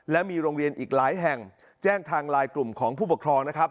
และมีโรงเรียนอีกหลายแห่งแจ้งทางไลน์กลุ่มของผู้ปกครองนะครับ